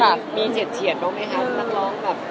ว่ามีเฉียดเดชนะคะ